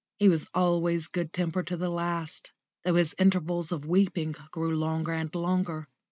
He was always good tempered to the last, though his intervals of weeping grew longer and longer.